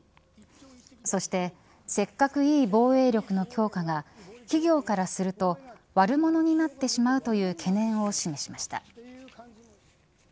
そして、せっかくいい防衛力の強化が企業からすると悪者になってしまうとの懸念を示しました。